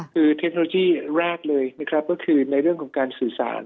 คือเทคโนโลยีแรกเลยนะครับก็คือในเรื่องของการสื่อสาร